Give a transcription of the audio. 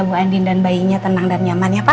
bu andien dan bayinya tenang dan nyaman ya pak